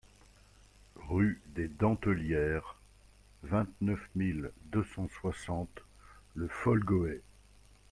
Rue des Dentelières, vingt-neuf mille deux cent soixante Le Folgoët